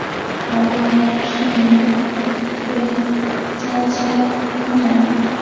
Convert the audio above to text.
产物仍然是邻或对羟基芳酮。